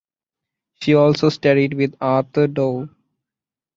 She also studied with Arthur Dow.